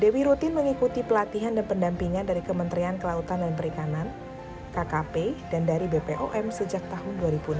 dewi rutin mengikuti pelatihan dan pendampingan dari kementerian kelautan dan perikanan kkp dan dari bpom sejak tahun dua ribu enam belas